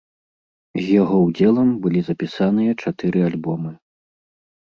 З яго ўдзелам былі запісаныя чатыры альбомы.